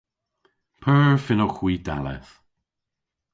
P'eur fynnowgh hwi dalleth?